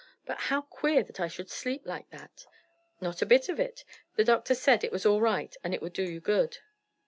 But how queer that I should sleep like that!" "Not a bit of it. The doctor said it was all right and it would do you good."